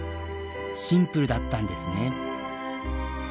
シンプルだったんですね。